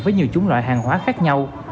với nhiều chúng loại hàng hóa khác nhau